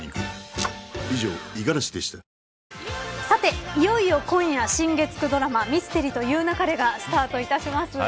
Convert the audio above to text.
さて、いよいよ今夜新月９ドラマミステリと言う勿れがスタートいたします。